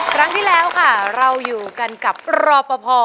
ครั้งที่แล้วค่ะเราอยู่กันกับรอปภ